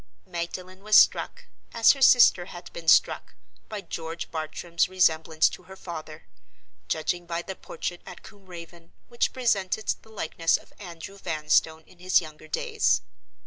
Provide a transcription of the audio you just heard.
Magdalen was struck, as her sister had been struck, by George Bartram's resemblance to her father—judging by the portrait at Combe Raven, which presented the likeness of Andrew Vanstone in his younger days.